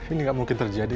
ini gak mungkin terjadi